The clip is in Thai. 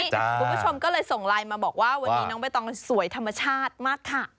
คุณผู้ชมก็เลยส่งไลน์มาบอกว่าวันนี้น้องใบตองสวยธรรมชาติมากค่ะ